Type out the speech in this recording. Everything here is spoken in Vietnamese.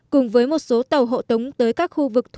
cùng với một số tàu hộ tống tới các khu vực